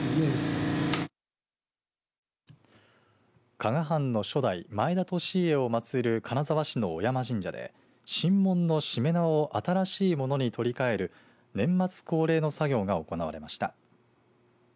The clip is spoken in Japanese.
加賀藩の初代、前田利家を祭る金沢市の尾山神社で神門のしめ縄を新しいものに取り替える年末恒例の作業が行われました。